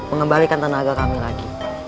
mengembalikan tenaga kami lagi